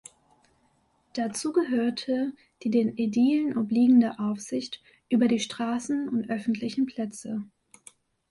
Dazu gehörte die den Ädilen obliegende Aufsicht über die Straßen und öffentlichen Plätze.